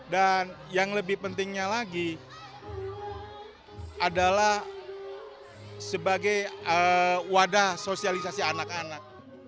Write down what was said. dan yang lebih pentingnya lagi adalah sebagai wadah sosialisasi anak anak